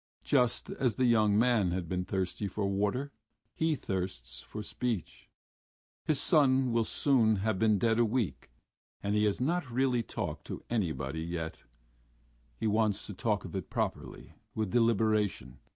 Just as the young man had been thirsty for water, he thirsts for speech. His son will soon have been dead a week, and he has not really talked to anybody yet.... He wants to talk of it properly, with deliberation....